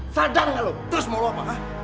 sadar gak lu terus mau lu apa